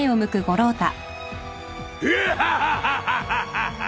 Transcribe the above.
フハハハハ！